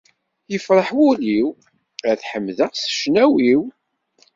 Ifreḥ wul-iw, ad t-ḥemdeɣ s ccnawi-w.